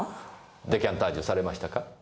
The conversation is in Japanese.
デカンタージュされましたか？